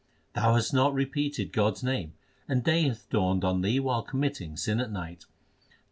1 Thou hast not repeated God s name, and day hath dawned on thee while committing sin at night.